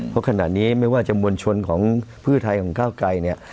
เพราะขนาดนี้ไม่ว่าจะมวลชนพฤอาทัยของข้าวไกร